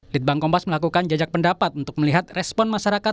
litbang kompas melakukan jajak pendapat untuk melihat respon masyarakat